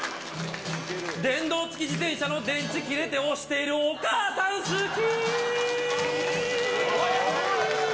電動付き自転車の電池切れて押してるお母さん、好き。